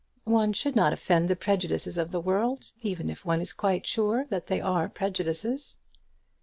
One should not offend the prejudices of the world, even if one is quite sure that they are prejudices."